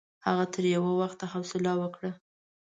هغه تر یوه وخته حوصله وکړه.